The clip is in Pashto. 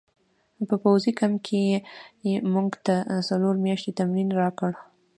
په پوځي کمپ کې یې موږ ته څلور میاشتې تمرین راکړ